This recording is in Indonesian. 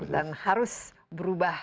dan harus berubah